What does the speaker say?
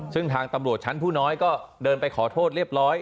ซึ่งทางตำรวจชั้นผู้น้อยก็เดินไปขอโทษเรียบร้อย